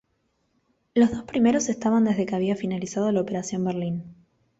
Los dos primeros estaban desde que había finalizado la operación Berlín.